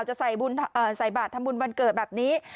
จะใส่บาททำบุญวันเกิดแบบนี้